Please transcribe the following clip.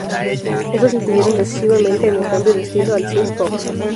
Estos influyeron decisivamente en el cambio de estilo al synth pop.